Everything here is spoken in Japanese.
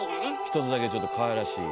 一つだけちょっとかわいらしい。